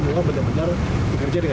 dikerja dengan dasar orientasi pada kinerja